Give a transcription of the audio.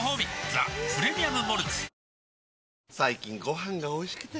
「ザ・プレミアム・モルツ」